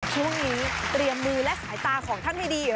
ช่วงนี้เตรียมมือและสายตาของท่านให้ดี